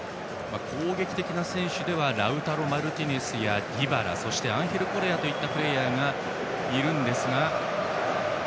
攻撃的な選手ではラウタロ・マルティネスやディバラそしてアンヘル・コレアといったプレーヤーがいます。